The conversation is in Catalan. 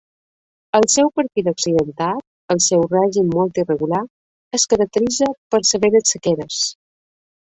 El seu perfil accidentat, el seu règim molt irregular, es caracteritza per severes sequeres.